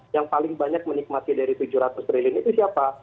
yang paling banyak menikmati dari tujuh ratus triliun itu siapa